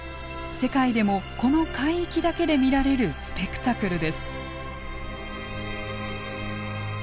世界でもこの海域だけで見られるスペクタクルです。